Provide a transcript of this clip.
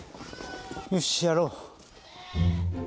よし、やろう。